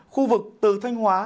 khu vực từ thanh hóa